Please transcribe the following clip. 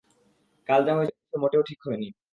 কাল যা হয়েছে মোটেও ঠিক হয়নি।